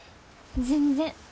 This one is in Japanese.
全然。